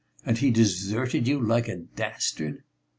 "And he deserted you like a dastard?"